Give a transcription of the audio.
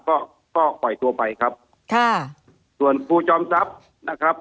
ก็ก็ปล่อยตัวไปครับค่ะส่วนครูจอมทรัพย์นะครับ